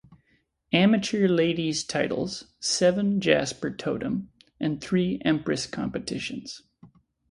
Amateur Ladies titles, seven Jasper Totem and three Empress competitions.